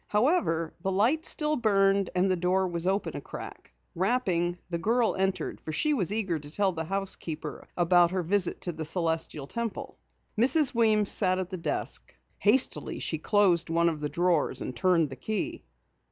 However, the light still burned and the door was open a crack. Rapping, the girl entered, for she was eager to tell the housekeeper about her visit to the Celestial Temple. Mrs. Weems sat at the desk. Hastily she closed one of the drawers, and turned the key.